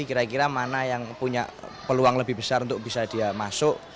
kira kira mana yang punya peluang lebih besar untuk bisa dia masuk